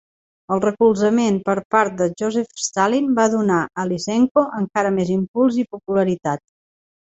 El recolzament per part de Joseph Stalin va donar a Lysenko encara més impuls i popularitat.